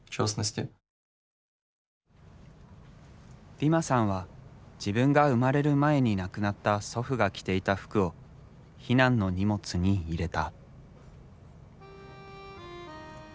ディマさんは自分が生まれる前に亡くなった祖父が着ていた服を避難の荷物に入れた。